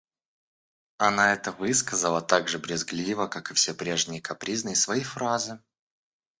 Она это высказала так же брезгливо, как и все прежние капризные свои фразы.